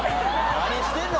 何してんの？